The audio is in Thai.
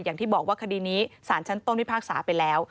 อย่างที่บอกว่าคดีนี้สารชั้นต้นพิพากษาไปแล้ว